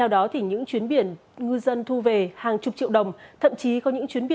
xin chào và hẹn gặp lại quý vị